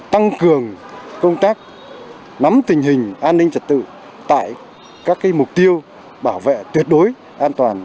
tăng cường công tác nắm tình hình an ninh trật tự tại các mục tiêu bảo vệ tuyệt đối an toàn